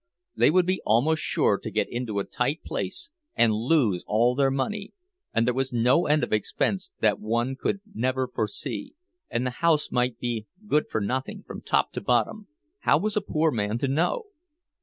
They would be almost sure to get into a tight place and lose all their money; and there was no end of expense that one could never foresee; and the house might be good for nothing from top to bottom—how was a poor man to know?